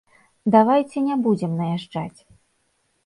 Давайце не будзем наязджаць.